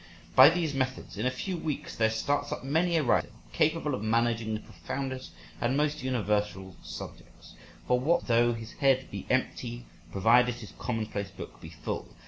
By these methods, in a few weeks there starts up many a writer capable of managing the profoundest and most universal subjects. For what though his head be empty, provided his commonplace book be full?